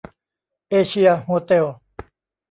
เอเชียโฮเต็ล